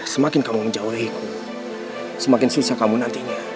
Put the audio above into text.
semakin kamu menjauhiku semakin susah kamu nantinya